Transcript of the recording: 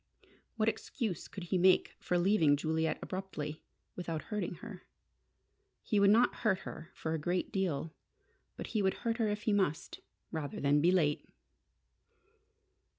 What excuse could he make for leaving Juliet abruptly, without hurting her? He would not hurt her for a great deal. But he would hurt her if he must, rather than be late!